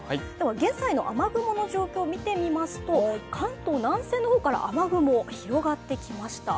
現在の雨雲の状況を見てみますと、関東南西の方から雨雲が広がってきました。